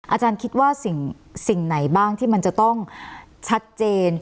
อาจารย์คิดว่าสิ่งไหนบ้างที่มันจะต้องชัดเจน